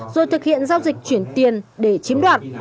rồi thực hiện giao dịch chuyển tiền để chiếm đoạt